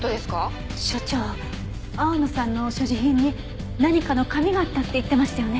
所長青野さんの所持品に何かの紙があったって言ってましたよね？